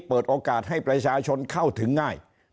เปิดโอกาสให้ประชาชนเข้าถึงง่าย